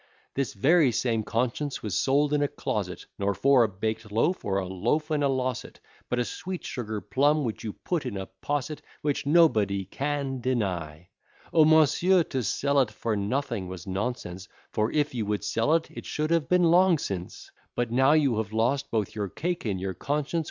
This very same conscience was sold in a closet, Nor for a baked loaf, or a loaf in a losset, But a sweet sugar plum, which you put in a posset. Which nobody can deny. O Monsieur, to sell it for nothing was nonsense, For, if you would sell it, it should have been long since, But now you have lost both your cake and your conscience.